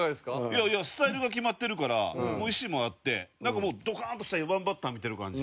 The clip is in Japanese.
いやいやスタイルが決まってるから意思もあってなんかもうドカーンとした４番バッター見てる感じ。